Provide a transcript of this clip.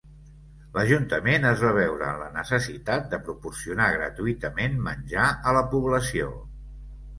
L'ajuntament es va veure en la necessitat de proporcionar gratuïtament menjar a la població.